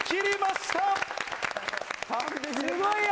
すごいよ！